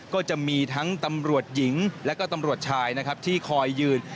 ก็จะมีทั้งตำรวจหญิงและก็ตำรวจชายนะครับที่คอยยืน